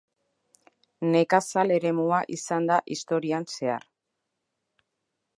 Nekazal eremua izan da historian zehar.